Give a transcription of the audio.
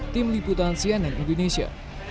tim liputan cnn indonesia